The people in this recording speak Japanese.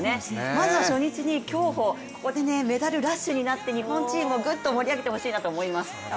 まずは初日で競歩、ここでメダルラッシュになって日本チームをぐっと盛り上げてほしいなと思います。